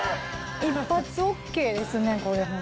一発ＯＫですねこれ。